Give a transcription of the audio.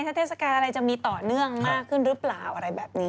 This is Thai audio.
ถ้าเทศกาลอะไรจะมีต่อเนื่องมากขึ้นหรือเปล่าอะไรแบบนี้